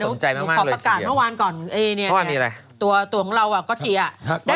พอประกาศเมื่อวานก่อนเนี่ยตัวของเราก๊อตจี้